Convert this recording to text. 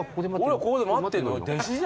俺らここで待ってんの？